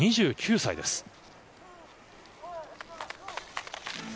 ２９歳です。